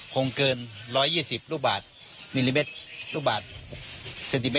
ดีลทราบ